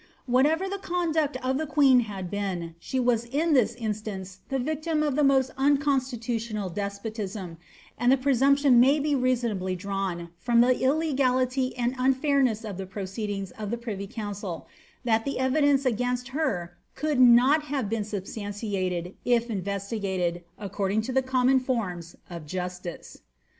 Whatever the conduct of the queen had been, she was in thit instance the victim of the most unconstitutional despotism, and the pre sumption may be reasonably drawn, from the illegality and uniainiea of the proceedings of the privy council, that the evidence against her could not have been substantiated, if investigated, according to the com mon forms of justice.